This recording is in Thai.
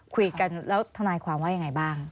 คุยกันแล้วทนายความว่ายังไงบ้าง